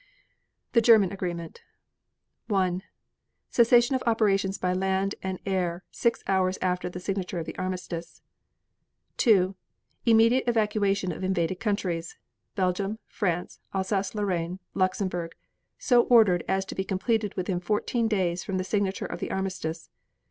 THE GERMAN AGREEMENT 1. Cessation of operations by land and in the air six hours after the signature of the armistice. 2. Immediate evacuation of invaded countries: Belgium, France, Alsace Lorraine, Luxemburg, so ordered as to be completed within fourteen days from the signature of the armistice.